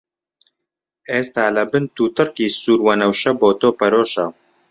ئێستا لە بن «توتڕکی» سوور، وەنەوشە بۆ تۆ پەرۆشە!